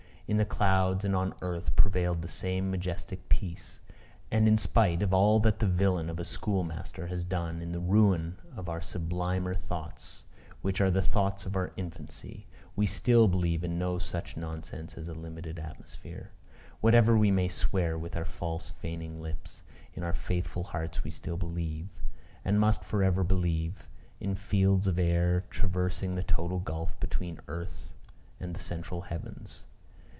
In the clouds, and on the earth, prevailed the same majestic peace; and in spite of all that the villain of a schoolmaster has done for the ruin of our sublimer thoughts, which are the thoughts of our infancy, we still believe in no such nonsense as a limited atmosphere. Whatever we may swear with our false feigning lips, in our faithful hearts we still believe, and must for ever believe, in fields of air traversing the total gulf between earth and the central heavens.